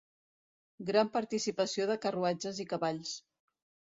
Gran participació de carruatges i cavalls.